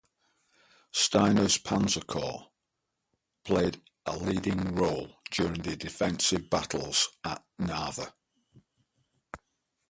Steiner's Panzer Corps played a leading role during the defensive battles at Narva.